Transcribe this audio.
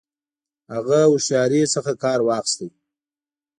هغه هوښیاري څخه کار واخیست.